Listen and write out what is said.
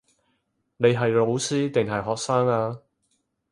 你係老師定係學生呀